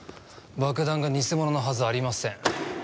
爆弾が偽物のはずありません。